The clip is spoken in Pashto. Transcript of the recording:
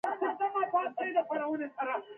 ښه اخلاق د کورنۍ فضا خوږوي.